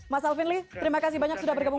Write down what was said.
mas alvin lee terima kasih banyak sudah bergabung